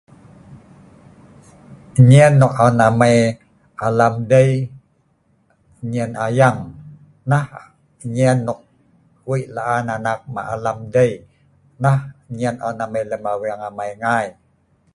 Nyien nok an amai alam dei, nyien ayang, nah nyien nok Wei laan anak alam dei, nah nyien on amai lem aweng amai ngai.